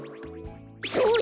そうだ！